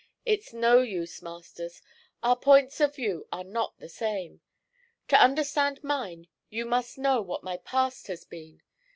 It's no use, Masters, our points of view are not the same. To understand mine you must know what my past has been.